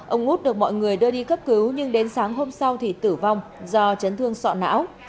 ông út được mọi người đưa đi cấp cứu nhưng đến sáng hôm sau thì tử vong do chấn thương sọ não